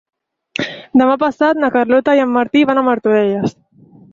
Demà passat na Carlota i en Martí van a Martorelles.